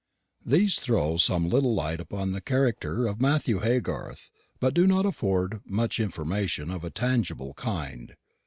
These throw some little light upon the character of Matthew Haygarth, but do not afford much information of a tangible kind.